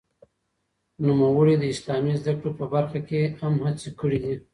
نوموړي د اسلامي زده کړو په برخه کې هم هڅې کړې دي.